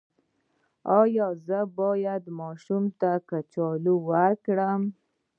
ایا زه باید ماشوم ته کچالو ورکړم؟